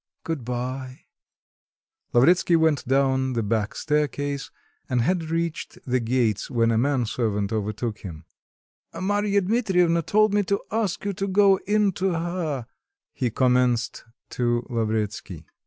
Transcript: Good bye." Lavretsky went down the back staircase, and had reached the gates when a man servant overtook him. "Marya Dmitrievna told me to ask you to go in to her," he commenced to Lavretsky.